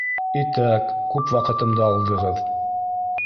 Итәк, күп ваҡытымды алдығыҙ!